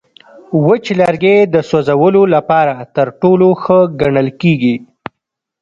وچ لرګی د سوځولو لپاره تر ټولو ښه ګڼل کېږي.